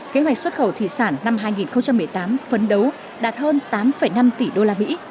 kế hoạch xuất khẩu thủy sản năm hai nghìn một mươi tám phấn đấu đạt hơn tám năm tỷ usd